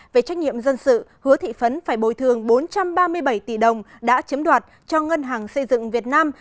về trách nhiệm dân sự hứa thị phấn phải bồi thường bốn trăm ba mươi bảy tỷ đồng đã chiếm đoạt cho ngân hàng xây dựng việt nam